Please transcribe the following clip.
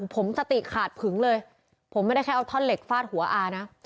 ผมสติขาดผึงเลยผมไม่ได้ใช้เอาท่อนเหล็กฟาดหัวอานะ